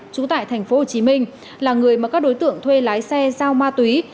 trú tại thành phố hồ chí minh là người mà các đối tượng thuê lái xe giao ma túy